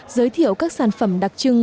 giới thiệu các sản phẩm đặc trưng